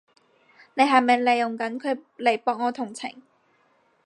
你係咪利用緊佢嚟博我同情？